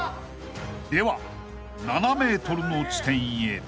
［では７ｍの地点へ］